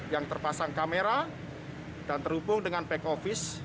yang terpasang kamera dan terhubung dengan back office